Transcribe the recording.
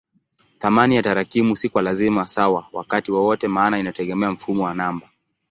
Thamani ya tarakimu si kwa lazima sawa wakati wowote maana inategemea mfumo wa namba.